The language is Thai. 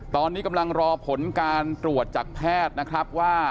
ตอนนี้กำลังรอผลการตรวจจากแพทย์นะครับว่า